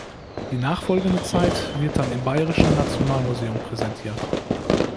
Die nachfolgende Zeit wird dann im Bayerischen Nationalmuseum präsentiert.